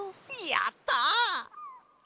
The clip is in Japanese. やった！